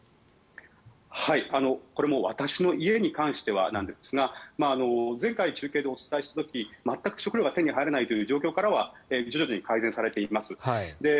私の家に関してですが前回中継でお伝えした時全く食料が手に入らないという状況からは徐々に改善されています。